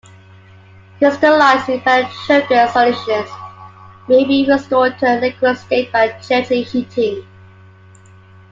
Crystallized invert sugar solutions may be restored to their liquid state by gently heating.